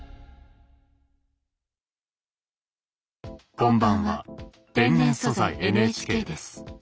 こんばんは「天然素材ＮＨＫ」です。